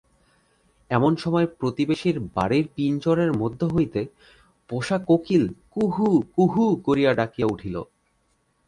এমন সময় প্রতিবেশীর বাড়ির পিঞ্জরের মধ্য হইতে পোষা কোকিল কুহু কুহু করিয়া ডাকিয়া উঠিল।